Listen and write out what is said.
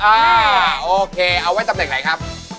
โอเคเอาไว้ตำแหน่งไหนครับ